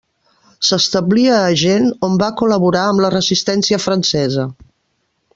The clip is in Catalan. S'establí a Agen, on va col·laborar amb la Resistència francesa.